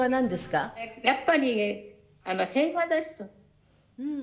やっぱり平和です。